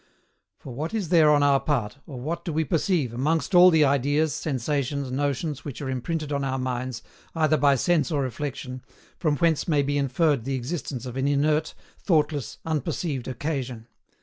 For, what is there on our part, or what do we perceive, amongst all the ideas, sensations, notions which are imprinted on our minds, either by sense or reflexion, from whence may be inferred the existence of an inert, thoughtless, unperceived occasion?